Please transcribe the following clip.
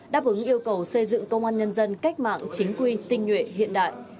đáp ứng yêu cầu xây dựng công an nhân dân cách mạng chính quy tinh nhuệ hiện đại